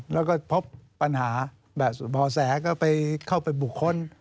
แล้วก็พบปัญหาบ่าแสก็เข้าไปบุคคล